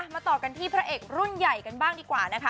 ต่อกันที่พระเอกรุ่นใหญ่กันบ้างดีกว่านะคะ